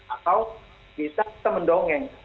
atau bisa kita mendongeng